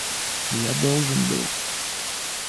Я должен был...